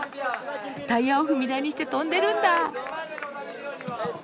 タイヤを踏み台にして跳んでるんだ。